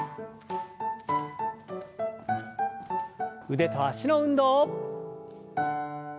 腕と脚の運動。